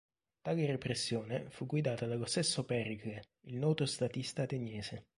Tale repressione fu guidata dallo stesso Pericle, il noto statista ateniese.